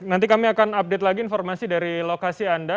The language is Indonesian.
nanti kami akan update lagi informasi dari lokasi anda